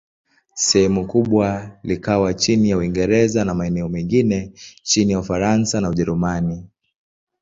Sehemu kubwa likawa chini ya Uingereza, na maeneo mengine chini ya Ufaransa na Ujerumani.